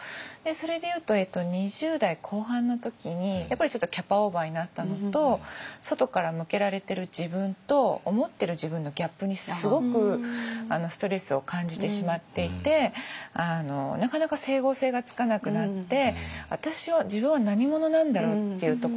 それでいうと２０代後半の時にやっぱりちょっとキャパオーバーになったのと外から向けられてる自分と思ってる自分のギャップにすごくストレスを感じてしまっていてなかなか整合性がつかなくなって。